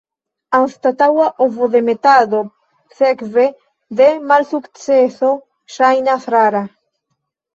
Anstataŭa ovodemetado sekve de malsukceso ŝajnas rara.